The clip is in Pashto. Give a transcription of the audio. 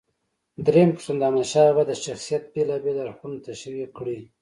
درېمه پوښتنه: د احمدشاه بابا د شخصیت بېلابېل اړخونه تشریح کړئ.